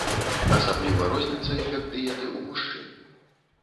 Асабліва розніцца эфект дыеты ў мужчын.